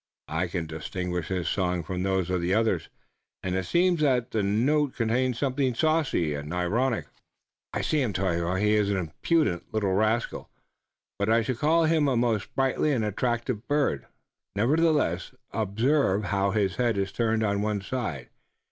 I can distinguish his song from those of the others, and it seems that the note contains something saucy and ironic." "I see him, Tayoga. He is an impudent little rascal, but I should call him a most sprightly and attractive bird, nevertheless. Observe how his head is turned on one side.